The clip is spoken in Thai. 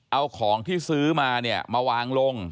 เอาของที่ซื้อมามาวางลง